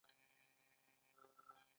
هند افغان لوبغاړو ته درناوی کوي.